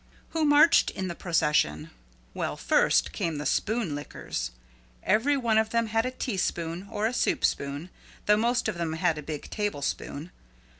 Who marched in the procession? Well, first came the Spoon Lickers. Every one of them had a tea spoon, or a soup spoon, though most of them had a big table spoon.